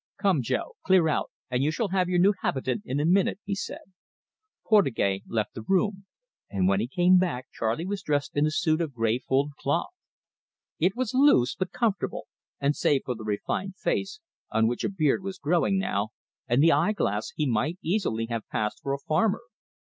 "Come, Jo, clear out, and you shall have your new habitant in a minute," he said. Portugais left the room, and when he came back, Charley was dressed in the suit of grey fulled cloth. It was loose, but comfortable, and save for the refined face on which a beard was growing now and the eye glass, he might easily have passed for a farmer.